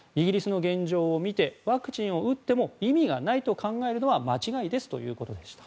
イギリスの現状を見てワクチンを打っても意味がないと考えるのは間違いですということです。